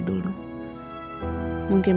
masal kok gak ada ya